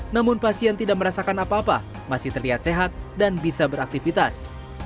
namun pasien tidak merasakan apa apa masih terlihat sehat dan bisa beraktivitas